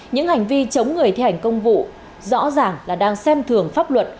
những hành vi chống người thi hành công vụ rõ ràng là đang xem thường pháp luật